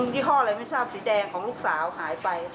ี่ห้ออะไรไม่ทราบสีแดงของลูกสาวหายไป